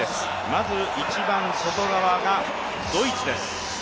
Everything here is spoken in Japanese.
まず一番外側がドイツです。